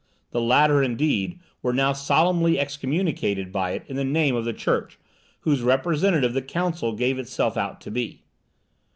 The latter, indeed, were now solemnly excommunicated by it in the name of the church, whose representative the Council gave itself out to be.